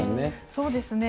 そうですね。